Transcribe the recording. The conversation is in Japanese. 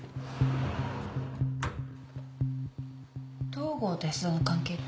東郷と安田の関係って？